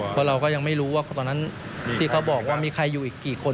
เพราะเราก็ยังไม่รู้ว่าตอนนั้นที่เขาบอกว่ามีใครอยู่อีกกี่คน